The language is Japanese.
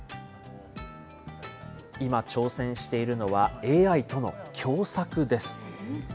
今、挑戦しているのはＡＩとの共作です。